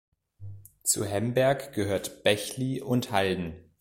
Zu Hemberg gehört "Bächli" und "Halden".